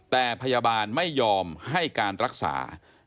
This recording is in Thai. แต่พยาบาลไม่ยอมให้การรักษา